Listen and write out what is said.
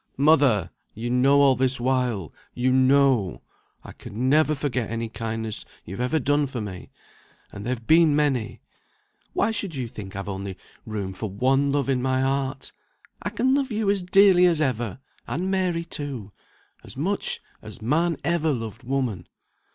"Mother! you know all this while, you know I can never forget any kindness you've ever done for me; and they've been many. Why should you think I've only room for one love in my heart? I can love you as dearly as ever, and Mary too, as much as man ever loved woman."